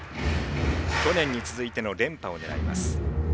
去年に続いての連覇を狙います。